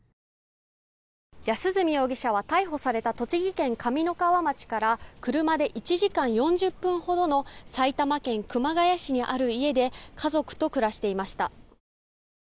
安栖容疑者は逮捕された栃木県上三川町から車で１時間４０分ほどの埼玉県熊谷市にある家で家族と暮らしていました。